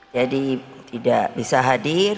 jadi tidak bisa hadir